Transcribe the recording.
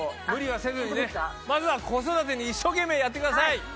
無理はせずにねまずは子育てに一生懸命やってください。